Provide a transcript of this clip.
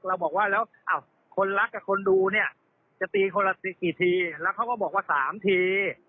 เราบอกว่าแล้วคนรักกับคนดูเนี่ยจะตีคนละกี่ทีแล้วเขาก็บอกว่า๓ที